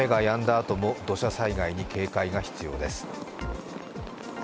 あとも土砂災害に警戒が必要です。